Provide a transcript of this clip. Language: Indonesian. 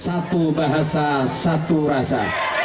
satu bahasa satu rasa